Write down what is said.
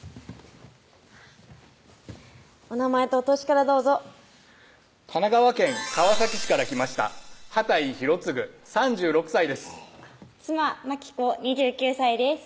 お名前とお歳からどうぞ神奈川県川崎市から来ました幡井裕乙３６歳です妻・真貴子２９歳です